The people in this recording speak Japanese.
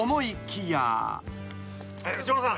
内村さん。